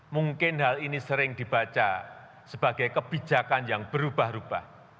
mungkin hal ini sering dibaca sebagai kebijakan yang berubah ubah